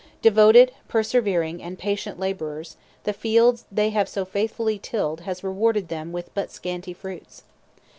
Devoted, persevering, and patient laborers, the field they have so faithfully tilled has rewarded them with but scanty fruits.